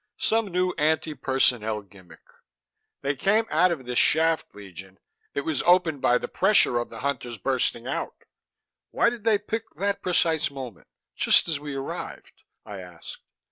"Some new anti personnel gimmick." "They came out of this shaft, Legion. It was opened by the pressure of the Hunters bursting out." "Why did they pick that precise moment just as we arrived?" I asked.